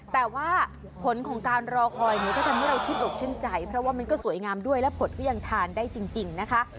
แต่ว่าผลของการรอคอยเนี่ยก็ทำให้เราชื่นอกชื่นใจเพราะว่ามันก็สวยงามด้วยและผลก็ยังทานได้จริงนะคะ